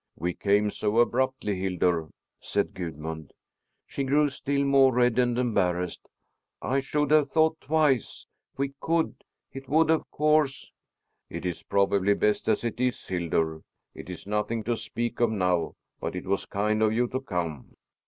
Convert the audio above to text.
"We came so abruptly, Hildur," said Gudmund. She grew still more red and embarrassed. "I should have thought twice. We could it would of course " "It is probably best as it is, Hildur. It is nothing to speak of now, but it was kind of you to come."